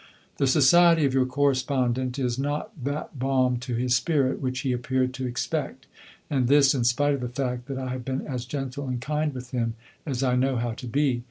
The society of your correspondent is not that balm to his spirit which he appeared to expect, and this in spite of the fact that I have been as gentle and kind with him as I know how to be.